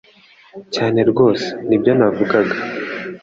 cyane rwose nibyo navugaga